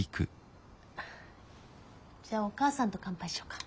じゃあお母さんと乾杯しよっか。